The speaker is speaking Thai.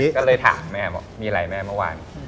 ก็เลยถามแม่บอกมีอะไรแม่เมื่อวาน